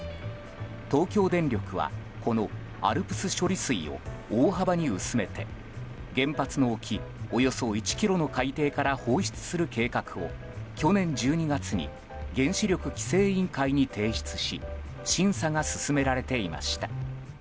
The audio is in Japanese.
東京電力はこのＡＬＰＳ処理水を大幅に薄めて原発の沖およそ１ｋｍの海底から放出する計画を、去年１２月に原子力規制委員会に提出し審査が進められていました。